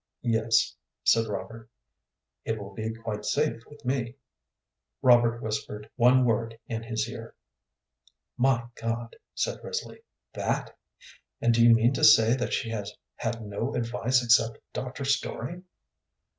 "Yes," said Robert. "It will be quite safe with me." Robert whispered one word in his ear. "My God!" said Risley, "that? And do you mean to say that she has had no advice except Dr. Story?"